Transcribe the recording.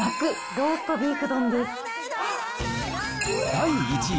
第１位。